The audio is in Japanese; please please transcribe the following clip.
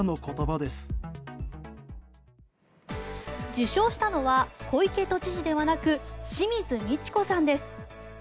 受賞したのは小池都知事ではなく清水ミチコさんです。